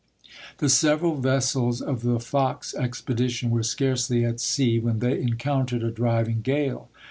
The several vessels of the Fox expedition were scarcely at sea when they encountered a driving gale.